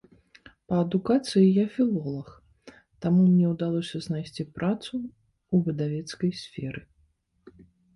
Па адукацыі я філолаг, таму мне ўдалося знайсці працу ў выдавецкай сферы.